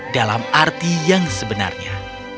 dalam arti yang sebenarnya